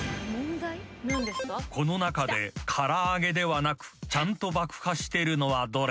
［この中で唐揚げではなくちゃんと爆破してるのはどれ？］